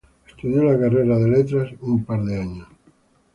Estudió la carrera de Letras un par de años.